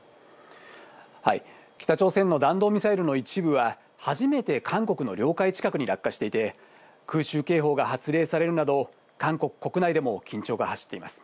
北朝鮮は弾道ミサイルの一部は初めて韓国の領海近くに落下していて、空襲警報が発令されるなど韓国国内でも緊張が走っています。